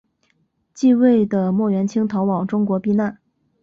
继位的莫元清逃往中国避难。